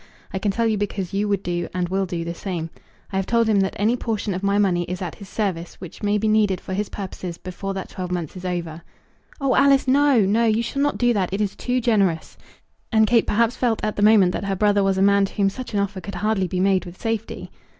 I can tell you because you would do, and will do the same. I have told him that any portion of my money is at his service which may be needed for his purposes before that twelve months is over." "Oh, Alice! No; no. You shall not do that. It is too generous." And Kate perhaps felt at the moment that her brother was a man to whom such an offer could hardly be made with safety.